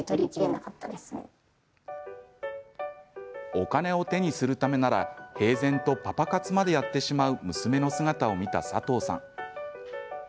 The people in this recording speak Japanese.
お金を手にするためなら平然とパパ活までやってしまう娘の姿を見た佐藤さん。